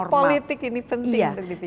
politik ini penting untuk dipilih